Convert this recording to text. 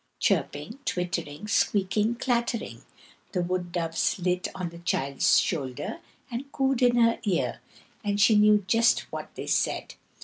Chirping, twittering, squeaking, chattering! The wood doves lit on the Child's shoulder and cooed in her ear, and she knew just what they said.